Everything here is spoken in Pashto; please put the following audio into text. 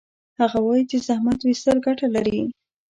هغه وایي چې زحمت ویستل ګټه لري